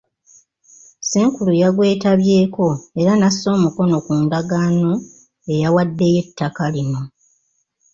Ssenkulu yagwetabyeko era n'assa omukono ku ndagaano eyawaddeyo ettaka lino.